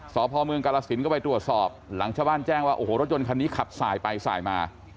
สพเมืองกาลสินก็ไปตรวจสอบหลังชาวบ้านแจ้งว่าโอ้โหรถยนต์คันนี้ขับสายไปสายมา